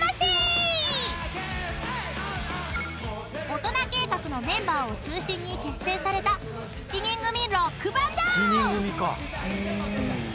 ［大人計画のメンバーを中心に結成された７人組ロックバンド！］